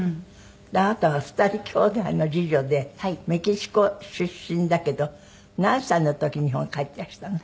であなたは２人姉妹の次女でメキシコ出身だけど何歳の時日本へ帰っていらしたの？